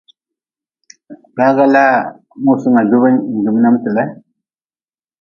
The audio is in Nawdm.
Gwaga laa musunga jubi n jum nemte le.